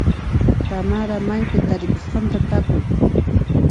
Tamara maypi tarikusqanta tapuy.